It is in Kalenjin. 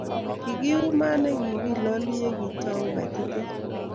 Kikiyuu maat ne kikiloli ya kitou kokaititit